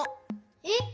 えっ！